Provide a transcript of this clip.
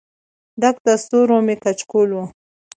ډک د ستورو مې کچکول و